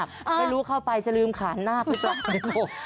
ไม่รู้เข้าไปจะลืมขาหน้าไปต่อไปหมด